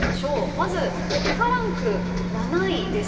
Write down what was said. まずＦＩＦＡランク７位です。